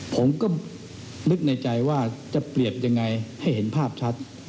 ผมก็นึกในใจว่าจะเปรียบยังไงให้เห็นภาพชัด